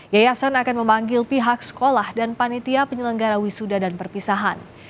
yayasan akan memanggil pihak sekolah dan panitia penyelenggara wisuda dan perpisahan